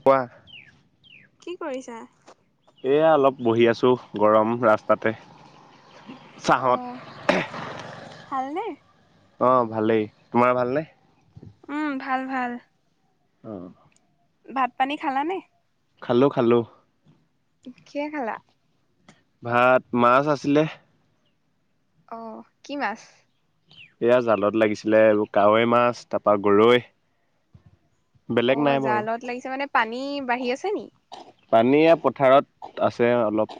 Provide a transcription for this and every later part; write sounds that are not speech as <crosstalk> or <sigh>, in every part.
কোৱা কি কৰিছা? এয়া অলপ বহি আছো গৰম ৰাস্তাতে অ', চাহত ভালনে? অহ, ভালেই। তোমাৰ ভালনে? উম, ভাল -ভাল। অহ ভাত- পানী খালা নে? খালো- খালো। কিহে খালা? ভাত মাছ আছিলে। অহ, কি মাছ? এয়া জালত লাগিছিলে আৰু কাৱৈ মাছ তাৰপা গৰৈ বেলেগ অহ, নাই বাৰু। জালত লাগিছে মানে পানী বাঢ়ি আছে নি? পানী পথাৰত আছে অলপ।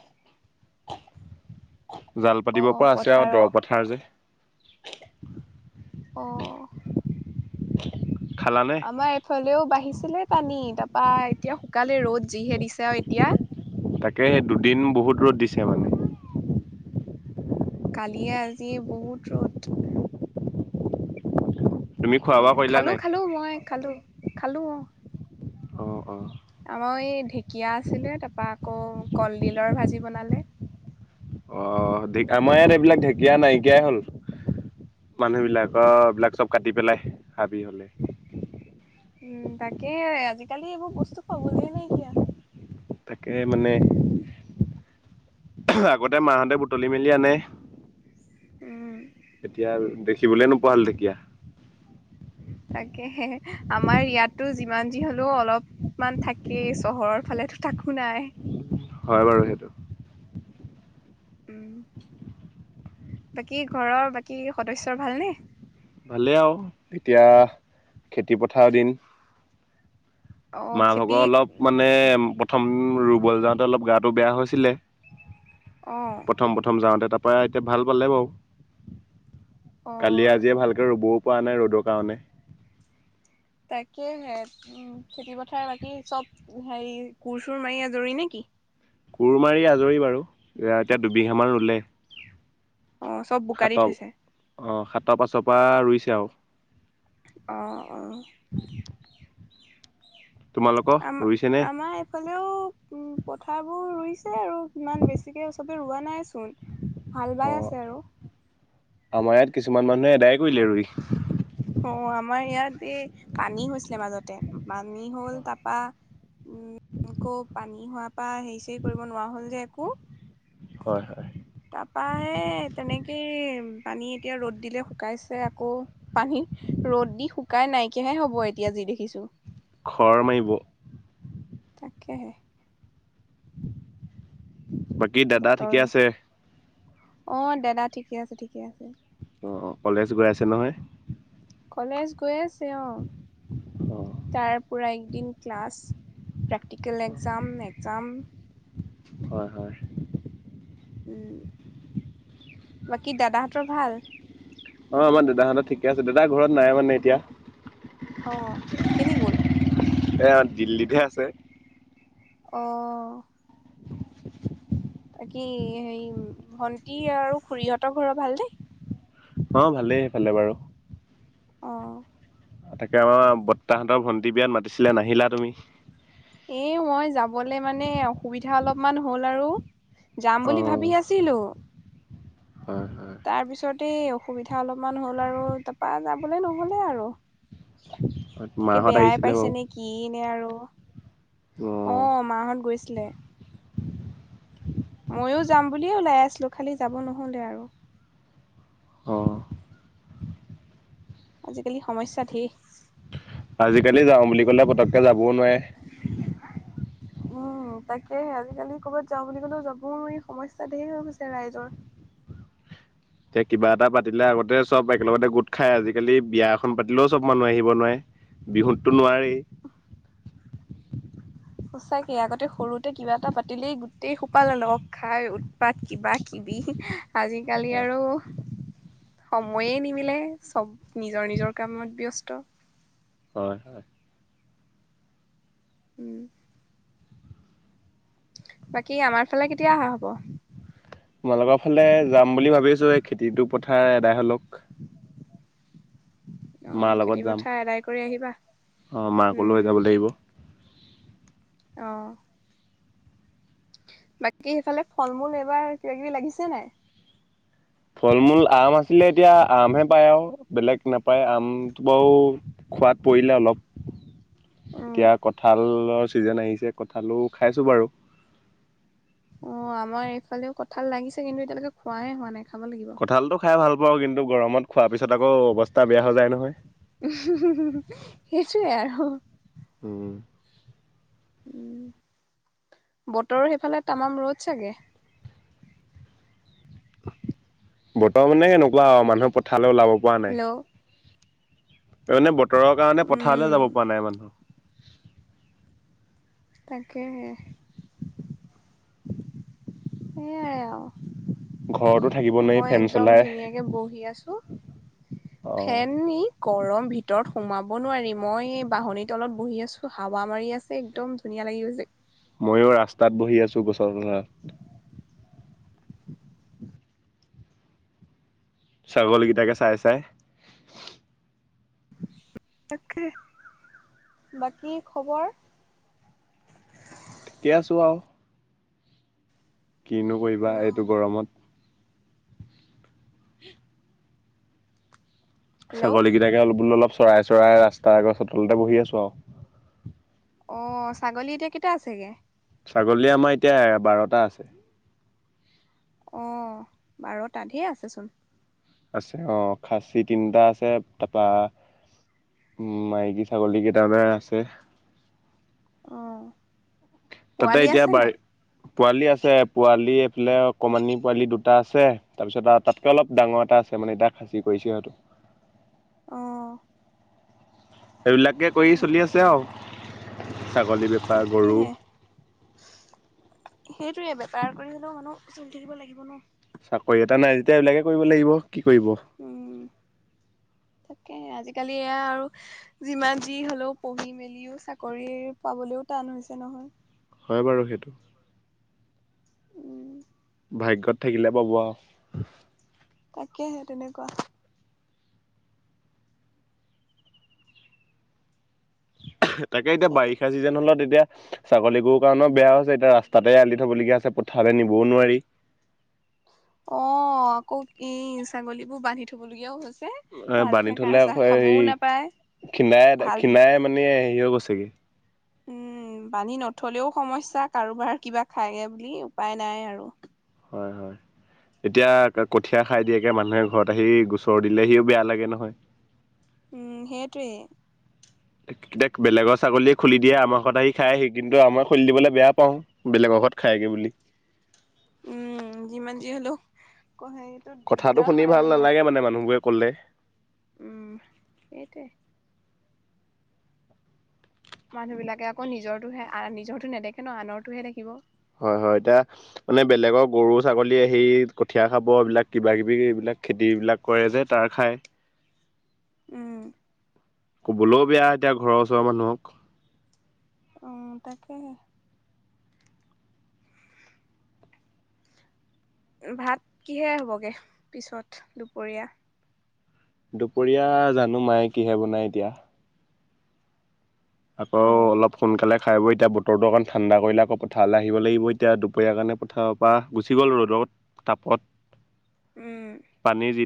জাল পাতিব অ', পৰা আছে আৰু পথাৰৰ দৰ অ'। -পথাৰ যে। খালানে? আমাৰ এইফালেও বাঢ়িছিলে পানী তাৰপা এতিয়া শুকালে ৰ'দ যিহে দিছে আৰু এতিয়া তাকে দুদিন বহুত ৰ'দ দিছে মানে। কালিয়ে আজিয়ে বহুত ৰ'দ। তুমি খোৱা উম, বোৱা কৰিলা খালো নাই? -খালো মই খালো -খালো অহ। অহ - অহ মই ঢেঁকীয়া আছিলে তাৰপা আকৌ কলডিলৰ ভাজি বনালে। অহ, আমাৰ ইয়াত এইবিলাক ঢেঁকীয়া নাইকিয়াই হ'ল। মানুহবিলাক' অ এইবিলাক চব কাটি পেলাই হাবি হ'লে। উম, তাকে আজিকালি এইবোৰ বস্তু পাবলে নাইকিয়া। তাকে মানে আগতে মাহতে বুটলি মেলি আনে। উম। এতিয়া দেখিবলৈ নোপোৱা হ'ল ঢেঁকীয়া। তাকেহে আমাৰ ইয়াতো যিমান যি হলেও অলপমান থাকেই চহৰৰ ফালে তাত তাকো নাই। হয় বাৰু সেইটো। উম বাকী ঘৰৰ বাকী সদস্যৰ ভালনে? ভালেই আৰু এতিয়া খেতি পথাৰ দিন। অ মাহ খেতি ভাগৰ অলপ মানে প্ৰথম ৰুবলৈ যাওঁতে অলপ গাটো বেয়া হৈছিলে অ প্ৰথম প্ৰথম যাওঁতে তা পা এতিয়া ভাল পালে বাও অ কালিয়ে আজিয়ে ভাল ৰোৱ পৰা নাই ৰ'দৰ কাৰণে তাকে হে উম খেতি পথাৰ বাকী চব হেৰি কোৰ চুৰ মাৰি আজৰি নে কি কোৰ মাৰি আজৰি বাৰু এতিয়া দুবিঘা মান ৰুলে। অ চব বোকা সাত দি থৈছে অহ সাতৰ পাছৰ পৰা ৰুইছে আও। অহ অহ <inaudible> তোমালোকৰ আম ৰুইছেনে আম ইফালে এইফালেও উম পথাৰ বোৰ ৰুইছে আৰু ইমান বেছিকে চবে ৰোৱা নাই। চোন হাল অ বাই আছে আৰু। আমাৰ ইয়াত কিছুমান মানুহ এদায় কৰিলে ৰুই অহ আমাৰ ইয়াত এই পানী হৈছিলে মাজতে পানী হ'ল তাৰপা উম আকৌ পানী হোৱাৰ পৰা হেৰি চেৰি কৰিব নোৱাৰা হল যে একো। হয় হয়। তাপা তেনেকেই পানী এতিয়া ৰ'দ দিলে শুকাইছে আকৌ পানী ৰ'দ দি শুকাই নাইকিয়াহে হ'ব এতিয়া যি দেখিছো। খৰ মাৰিব তাকেহে বাকী দাদা বতৰ ঠিকে আছে অহ দাদা ঠিকে আছে ঠিকে আছে অহ কলেজ গৈ আছে নহয় কলেজ গৈ আছে অহ অ' তাৰ পৰা একদিন ক্লাছ প্ৰেক্টিকেল এক্সাম এক্সাম হয় হয় উম বাকী দাদাহঁতৰ ভাল অহ আমাৰ দাদাহঁতৰ ঠিকে আছে দাদা ঘৰত নাই মানে এতিয়া অহ কেনি গ'ল এয়া দিল্লীতহে আছে অহ বাকী হেৰি ভন্টি আৰু খুৰীহঁতৰ ঘৰৰ ভাল নে অহ ভালেই এইফালে বাৰু তাকে আমাৰ বৰ্তাহঁতৰ ভন্টি বিয়াত মাতিছিলে নাহিলা তুমি এই মই যাবলে মানে অসুবিধা অলপমান হ'ল আৰু যাম অ বুলি ভাবি আছিলো হয় হয় তাৰ পিছতে অসুবিধা অলপমান হ'ল আৰু তাৰপা যাবলে নহলে আৰু তাকে মাহঁত বেয়াই আহিছিলে বাৰু পাইছে নে কি নে আৰু অ অহ মা হ'ত গৈছিলে ময়ো যাম বুলিয়ে ওলাই আছিলো খালি যাব নহলে আৰু অ আজিকালি সমস্যা ধেই আজিকালি যাওঁ বুলি কলে পতককে যাবও নোৱাৰে উম উম তাকেহে আজিকালি কৰ'বাত যাওঁ বুলি ক'লেও যাবও নোৱাৰি সমস্যা ধেই হৈ গৈছে ৰাইজৰ <inaudible> এতিয়া কিবা এটা পাতিলে আগতে চব একেলগতে গোট খাই, আজিকালি বিয়া এখন পাতিলেও চব মানুহ আহিব নোৱাৰে। বিহুততো নোৱাৰি। <inaudible> সঁচাকে আগতে সৰুতে কিবা এটা পাতিলেই গোটেই সোপা লগ খাই উৎপাত কিবা- কিবি আজিকালি হয় আৰু সময়ে নিমিলে, চব নিজৰ নিজৰ কামত ব্যস্ত হয় হয়। উম বাকী আমাৰ ফালে কেতিয়া অহা হব? তোমালোকৰ ফালে যাম বুলি ভাবি আছো এই খেতিটো পথাৰ এদাই হৈ লওক। অ মাৰ খেতি লগত যাম। পথাৰ আদায় কৰি আহিবা অ মাকো লৈ উম যাব লাগিব। অহ বাকী সেইফালে ফল মূল এইবাৰ কিবা কিবি লাগিছে নাই? ফল মূল আম আছিলে এতিয়া আমহে পায় আৰু বেলেগ নাপায় আমটো বাৰু। খোৱাত পৰিলে অলপ <inaudible> উম এতিয়া কঁঠালৰ ছিজেন আহিছে কঁঠালো খাইছোঁ বাৰু অ আমাৰ এইফালেও কঁঠাল লাগিছে কিন্তু এতিয়ালৈকে খোৱাই হোৱা নাই খাব লাগিব কঁঠালতটো খাই ভাল পাওঁ কিন্তু গৰমত খোৱাৰ পিছত আকৌ অৱস্থা বেয়া হৈ যায় নহয় উমহুম্ হুম হুম সেইটোৱেই আৰু। হম উম বতৰো সেইফালে তামাম ৰ'দ চাগে বতৰ মানে হেনেকুৱা আও মানুহে পথালে ওলাব পৰা নাই হেল্ল' এই মানে বতৰৰ কাৰণে পথাৰলে উম যাব পৰা নাই মানুহ। তাকেহে সেইয়াই আও। ঘৰতো থাকিব নোৱাৰি মই ফেন একদম চলাই ধুনীয়াকে বহি আছো। অ ফেন নি। গৰম ভিতৰত সোমাব নোৱাৰি। মই এই বাহনিৰ তলত বহি আছো হাৱা মাৰি আছে একদম ধুনীয়া। য়া লাগি গৈছে। ময়ো ৰাস্তাত বহি আছো গছৰ তলত। ছাগলীকিটাকে চাই চাই। তাকে বাকী খবৰ? <unintelligible> ঠিকে আছোৱাও। কিনো কৰিবা এইটো হেল্ল' গৰমত। হেল্ল' ছাগলী কেইটাকে অলপ বোলো অলপ চৰাই চৰাই ৰাস্তা আগ চতালতে বহি আছো আও। অ ছাগলী এতিয়া কেইটা আছেগে? ছাগলী আমাৰ এতিয়া বাৰটা আছে। অ বাৰটা ঢেৰ আছে চোন। আছে অ খাচী তিনটা আছে। তাপা উম মাইকী ছাগলী কেইটানে আছে। অ। তাতে পোৱালি এতিয়া আছে বাৰ নাই পোৱালি আছে পোৱালি এইফালে অকমানি পোৱালি দুটা আছে। তাৰপিছত আও তাতকে অলপ ডাঙৰ এটা আছে মানে এটা খাচি কইছে সেটো। অহ। এইবিলাকে কৰি চলি আছে আও। ছাগলী বেপাৰ, গৰু। তাকেহে সেইটোৱে বেপাৰ কৰি হ'লেও মানুহ চলি থাকিব লাগিব ন। চাকৰি এটা নাই যেতিয়া এইবিলাকে কৰিব লাগিব। কি কৰিব? উম তাকে আজিকালি এয়া আৰু যিমান যি হলেও পঢ়ি মেলিও চাকৰি পাবলেও টান হৈছে নহয় হয় বাৰু সেইটো উম ভাগ্যত থাকিলে পাব আও তাকেহে তেনেকুৱা তাকে এতিয়া বাৰিষা চিজেন হলে তেতিয়া ছাগলী গৰু কাৰণেও বেয়া হৈছে। এতিয়া ৰাস্তাতে এৰাল দি থবলগীয়া হৈছে। পথালে নিবও নোৱাৰি অ আকৌ ই ছাগলীবোৰ বান্ধি থবলগীয়াও হৈছে অ ভালকে বানি ঘাঁহ থলে চাহ আকৌ খাবও হেই নাপায় খীণাই ভাল খীণাই মানে- গৈছেগে উম। উম। বান্ধি নথলেও সমস্যা কাৰোবাৰ কিবা খায়গে বুলি উপায় নাই আৰু- হয় হয়। এতিয়া কঠীয়া খাই দিয়েগে। মানুহে ঘৰত আহি গোচৰ দিলেহিও বেয়া লাগে নহয় উম সেইটোৱে। কেতিয়া বেলেগৰ ছাগলীয়ে খুলি দিয়ে আমাৰ ঘৰত আহি খাই সি কিন্তু আমাৰ খুলি দিবলে বেয়া পাওঁ। বেলেগত লগত খায়গে বুলি উম যিমান যি হ'লেও সেইটো কথাটো দিগদাৰ শুনি হয় ভাল আৰু ন নালাগে মানে মানুহবোৰে কলে। উম সেটেৱে। মানুহ বিলাকে আকৌ নিজৰটোহে নিজৰটো নেদেখে ন আনৰতোহে দেখিব হয় হয়। এতিয়া মানে বেলেগৰ গৰু ছাগলী আহি কঠিয়া খাব। এইবিলাক কিবা কিবি এইবিলাক খেতি বিলাক কৰে যে তাৰ খাই উম। কবলৈও বেয়া এতিয়া ঘৰৰ ওচৰৰ মানুহক উ তাকেহে ভাত কিহে হ'বগে পিছত দুপৰীয়া দুপৰীয়া জানো মায়ে কিহে বনাই এতিয়া অ আকৌ অলপ সোনকালে খাই এতিয়া বতৰটো অকণ ঠাণ্ডা কৰিলে আকৌ পথাৰলৈ আহিব লাগিব এতিয়া দুপৰীয়া কাৰণে পথাৰৰ পৰা গুছি গল ৰ'দৰত তাপত উম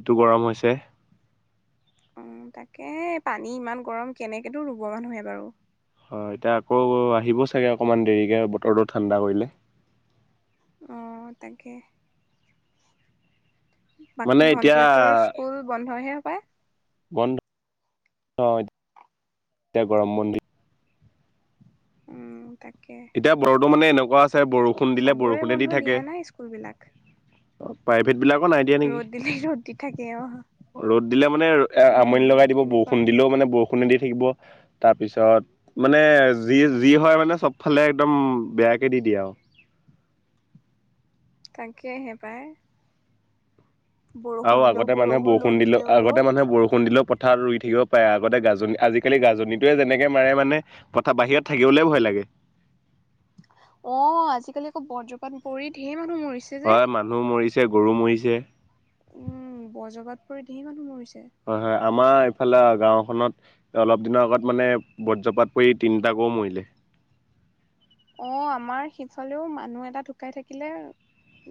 টো গৰম হৈছে- অ তাকে পানী ইমান গৰম কেনেকেনো ৰুব মানুহে বাৰু হয় এতিয়া আকৌ আহিব চাগে অকমান দেৰিকে বতৰটো ঠাণ্ডা কৰিলে অ তাকে মানে বাকী এতিয়া ভন্টিহঁতৰ স্কুল বন্ধহে? হপায় বন্ধ অ এতিয়া গৰম বন্ধ দি উম তাকে এতিয়া বতৰটো মানে এনেকুৱা আছে বৰষুণ দিলে চবৰে বৰষুণে দি বন্ধ থাকে দিয়া নাই স্কুল বিলাক অ প্ৰাইভেট বিলাকৰ নাই দিয়া নেকি ৰদ দিল ৰ'দ দি থাকে অ ৰ'দ দিলে মানে উম আমনি লগাই দিব তেনেকুৱা বৰষুণ হৈছে দিলেও মানে বৰষুণে দি থাকিব তাৰপিছত মানে যি যি হয় মানে চব ফালে একদম বেয়াকে দি দিয়ে আৰু তাকেহে পায় আৰু আগতে মানুহে বৰষুণ ৰ'দ দিলে দিলেও আগতে ৰ'দ মানুহে বৰষুণ দিলেও পথাতত ৰুই থাকিব পাৰে আগতে গাজনি আজিকালি গাজনিটোৱে যেনেকে মাৰে মানে পথাৰ বাহিৰত থাকিবলৈ ভয় লাগে। অ আজিকালি আকৌ বজ্ৰপাত পৰি ধেই মানুহ মৰিছে যে হয় মানুহ মৰিছে গৰু মৰিছে উম বজগাত পৰি ধেই মানুহ মৰিছে, হয় হয় আমাৰ ইফালে গাওখনত অলপ দিনৰ আগত মানে বজ্ৰপাত পৰি তিনিটা গৰু মৰিলে অ আমাৰ সিফালেও মানুহ এটা ঢুকাই থাকিলে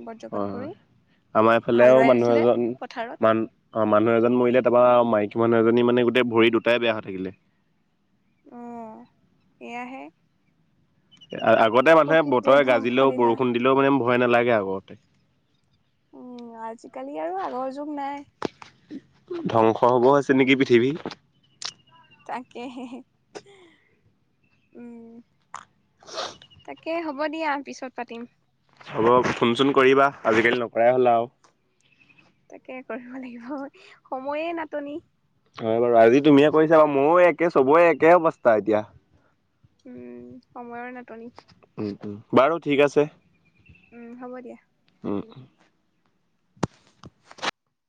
বজ্ৰপাত পৰি হাল আমাৰফালেও বাই মানুহ আছিলে এজন পথাৰত মান অ মানুহ এজন মৰিলে তাৰপৰা মাইকী মানুহ এজনী মানে গোটেই ভৰি দুটাই বেয়া হৈ থাকিলে অ সেয়াহে আগতে মানুহে বতৰে গাজিলেও ধ্বংসলীলা বৰষুণ দিলেও মানে ভয় নালাগে আগত উম আজিকালি আৰু আগৰ যুগ নাই ধ্বংস হৈছে নেকি পৃথিৱী তাকে হে উম তাকে হ'ব দিয়া পিছত পাতিম হ'ব ফোন চোন কৰিবা আজিকালি নকৰাই হ'ল আও তাকে কৰিব লাগিব হ সময়ে নাটনি হয় বাৰু আজি তুমিয়ে কৰিছা বাৰু ময়ো একে চবৰে একে অৱস্থা এতিয়া উম সময়ৰ নাটনি উম বাৰু ঠিক আছে। উম হ'ব দিয়া। উম উম